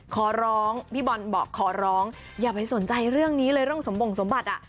ขอร้องพี่บอลบอกขอร้องอย่าไปสนใจเรื่องนี้เลยเรื่องสมบงสมบัติอ่ะ